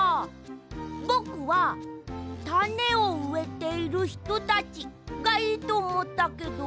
ぼくは「たねをうえているひとたち」がいいとおもったけど。